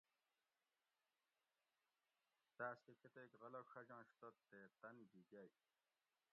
تاۤس کہ کتیک غلہ ڛجنش تہ تے تن گی گۤئ